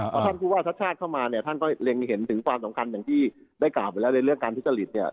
ท่านคือว่าชัดเข้ามาเนี่ยท่านก็เรียงเห็นถึงความสำคัญอย่างที่ได้กล่าวไปแล้วในเรื่องการพิจฤษฐ์เนี่ย